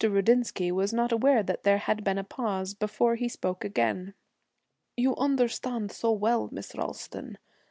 Rudinsky was not aware that there had been a pause before he spoke again. 'You understand so well, Miss Ralston.